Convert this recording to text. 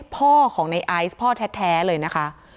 พ่อของในไอซ์พ่อแท้เลยนะคะ